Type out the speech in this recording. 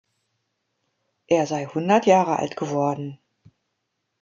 Er sei hundert Jahre alt geworden.